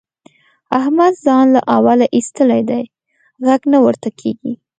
احمد ځان له اوله اېستلی دی؛ غږ نه ورته کېږي.